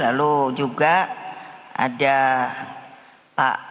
lalu juga ada pak